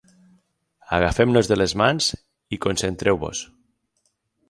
Agafem-nos de les mans i concentreu-vos.